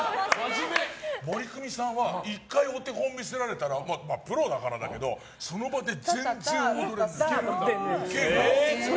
モリクミさんは１回お手本を見せられたらプロだからだけどその場で全然踊れるんですよ。